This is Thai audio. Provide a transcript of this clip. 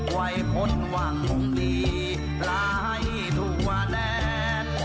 ไหวพลวงคงดีลาให้ทั่วแดน